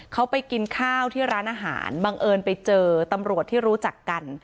เขาไปกินข้าวที่ร้านอาหารบังเอิญไปเจอตำรวจที่รู้จักกัน